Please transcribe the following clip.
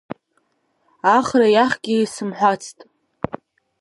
Ахра иахьгьы исымҳәацт…